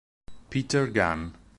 Peter Gunn